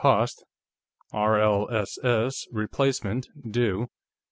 cost, RLss; Replacement, do.